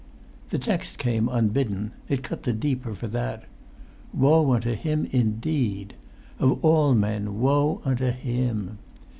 The text came unbidden; it cut the deeper for that. Woe unto him, indeed! Of all men, woe unto him!